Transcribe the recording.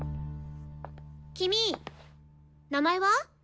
君名前は？